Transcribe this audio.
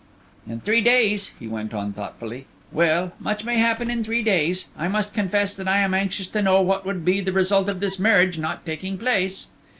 "In three days," he went on, thoughtfully. "Well, much may happen in three days. I must confess that I am anxious to know what would be the result of this marriage not taking place."